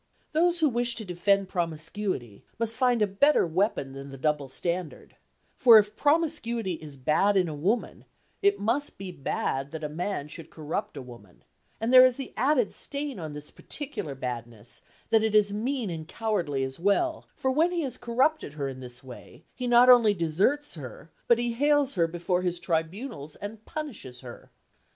Those who wish to defend promiscuity must find a better weapon than the double standard; for if promiscuity is bad in a woman, it must be bad that a man should corrupt a woman, and there is the added stain on this particular badness that it is mean and cowardly as well, for when he has corrupted her in this way, he not only deserts her, but he hales her before his tribunals and punishes her.